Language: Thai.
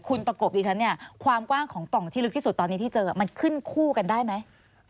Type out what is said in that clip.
คุณประกบดิฉันเนี่ยความกว้างของปล่องที่ลึกที่สุดตอนนี้ที่เจอมันขึ้นคู่กันได้ไหม